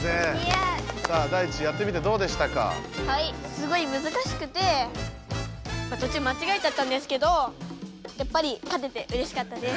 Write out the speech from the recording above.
すごいむずかしくてとちゅうまちがえちゃったんですけどやっぱり勝ててうれしかったです。